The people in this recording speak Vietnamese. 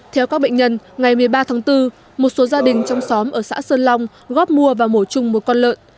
theo các bệnh nhân ngày một mươi ba tháng bốn một số gia đình trong xóm ở xã sơn long góp mua và mổ chung một con lợn